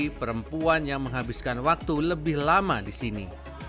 tapi perempuan yang menghabiskan waktu lebih lama disini